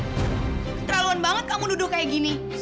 terlaluan banget kamu duduk kayak gini